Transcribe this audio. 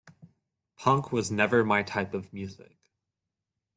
Punk was never my type of music.